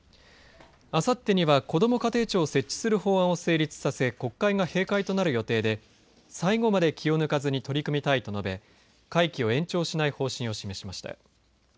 あさってには、こども家庭庁を設置する法案を成立させ国会が閉会となる予定で最後まで気を抜かずに取り組みたいと述べ会期を延長しない方針を示しました。